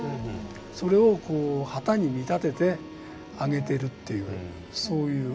それを旗に見立ててあげているというそういう絵ですね。